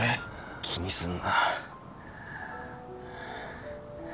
気にすんな。